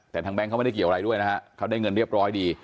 แต่ทางแบงค์เขาไม่ได้เกี่ยวอะไรด้วยนะฮะเขาได้เงินเรียบร้อยดี